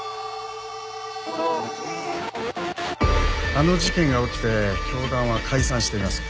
あの事件が起きて教団は解散しています。